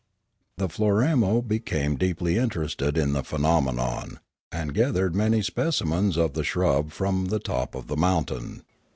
The Floramo became deeply interested in the phe nomenon, and gathered many specimens of the shrub from the top of the mountain.